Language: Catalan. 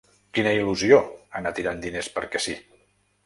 Quina il·lusió anar tirant diners perquè si.